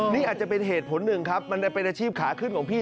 นี่อาจจะเป็นเหตุผลหนึ่งครับมันจะเป็นอาชีพขาขึ้นของพี่